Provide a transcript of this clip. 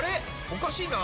おかしいな！